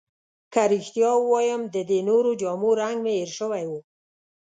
که رښتیا ووایم، د دې نورو جامو رنګ مې هیر شوی وو.